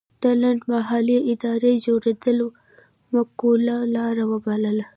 د لنډمهالې ادارې جوړېدل معقوله لاره وبلله.